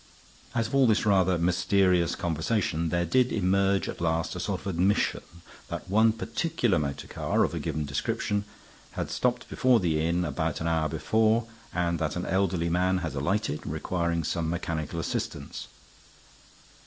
Out of all this rather mysterious conversation there did emerge at last a sort of admission that one particular motor car, of a given description, had stopped before the inn about an hour before, and that an elderly man had alighted, requiring some mechanical assistance.